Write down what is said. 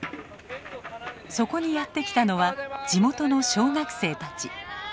そこにやって来たのは地元の小学生たち。